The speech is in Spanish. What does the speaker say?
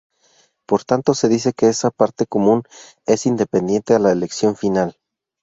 Por tanto se dice que esa parte común es independiente a la elección final.